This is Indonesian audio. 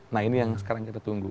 nah ini yang sekarang kita tunggu